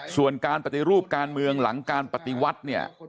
ส่วนการปฏิรูปการเมืองหลังการปฏิวัติเนี่ย